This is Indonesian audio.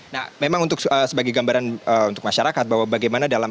nah memang untuk sebagai gambaran untuk masyarakat bahwa bagaimana dalam